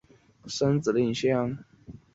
锚杆于转向架左右两侧的配置多为相对位置。